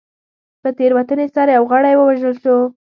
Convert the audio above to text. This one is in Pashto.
په تېروتنې سره یو غړی ووژل شو.